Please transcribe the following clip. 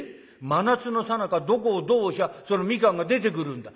真夏のさなかどこをどう押しゃその蜜柑が出てくるんだ。